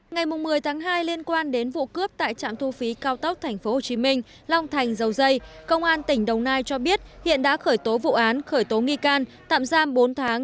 ngày một mươi tháng hai liên quan đến vụ cướp tại trạm thu phí cao tốc tp hcm long thành dầu dây công an tỉnh đồng nai cho biết hiện đã khởi tố vụ án khởi tố nghi can tạm giam bốn tháng